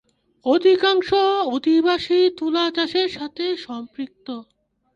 অধিকাংশ অধিবাসী তুলা চাষের সাথে সম্পৃক্ত।